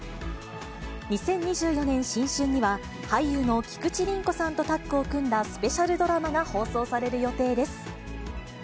２０２４年新春には、俳優の菊地凛子さんとタッグを組んだスペシャルドラマが放送される予定です。